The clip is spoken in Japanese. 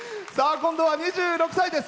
今度は２６歳です。